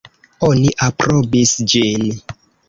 Oni aprobis ĝin.